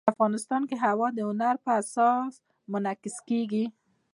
افغانستان کې هوا د هنر په اثار کې منعکس کېږي.